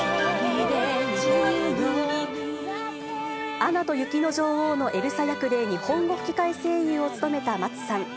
アナと雪の女王のエルサ役で日本語吹き替え声優を務めた松さん。